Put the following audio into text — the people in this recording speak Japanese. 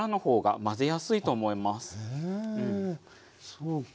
そうか。